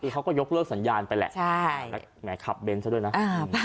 เขาก็ยกเลือกสัญญาณไปแหละแหมขับเบนซ์ด้วยนะ